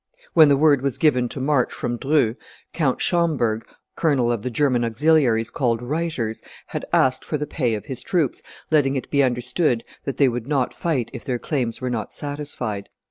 When the word was given to march from Dreux, Count Schomberg, colonel of the German auxiliaries called reiters, had asked for the pay of his troops, letting it be understood that they would not fight if their claims were not satisfied.